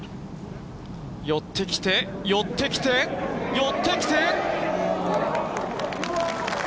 寄ってきて、寄ってきて、寄ってきて。